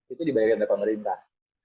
itu dibayarkan dari pemerintah